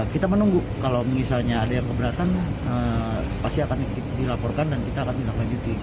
kita menunggu kalau misalnya ada yang keberatan pasti akan dilaporkan dan kita akan tindak lanjuti